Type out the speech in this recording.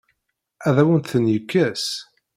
Ad awen-ten-yekkes?